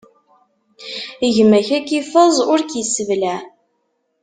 Gma-k ad k-iffeẓ, ur k-isseblaɛ.